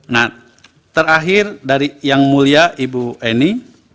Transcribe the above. nah terakhir dari yang mulia ibu eni